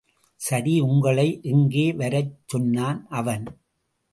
சரி, உங்களை எங்கே வரச் சொன்னான் அவன்?